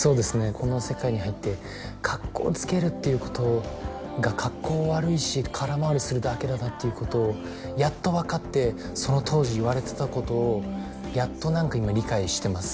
この世界に入ってかっこつけるっていうことがかっこ悪いし空回りするだけだなっていうことをやっと分かってその当時言われてたことをやっと何か今理解してます